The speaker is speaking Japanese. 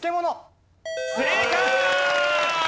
正解！